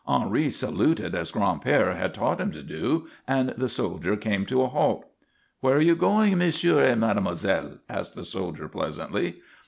Henri saluted as Gran'père had taught him to do, and the soldier came to a halt. "Where are you going, monsieur and mademoiselle?" asked the soldier pleasantly.